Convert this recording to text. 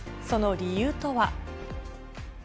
その理由とは。